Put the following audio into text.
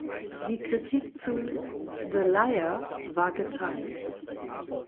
Die Kritik zu "The Liar" war geteilt.